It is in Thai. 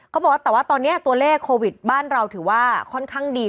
เขาบอกว่าแต่ว่าตอนนี้ตัวเลขโควิดบ้านเราถือว่าค่อนข้างดี